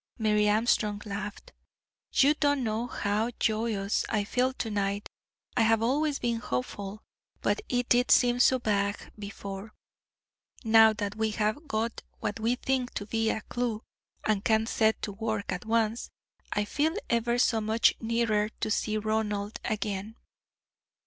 Mary Armstrong laughed. "You don't know how joyous I feel to night, I have always been hopeful, but it did seem so vague before. Now that we have got what we think to be a clue, and can set to work at once, I feel ever so much nearer to seeing Ronald again."